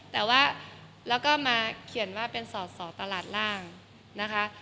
แต่ว่าแล้วก็มาเขียนว่าเป็นสอสอตลาดร่างนะคะ